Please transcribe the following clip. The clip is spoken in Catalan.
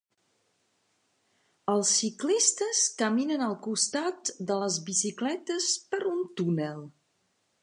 Els ciclistes caminen al costat de les bicicletes per un túnel.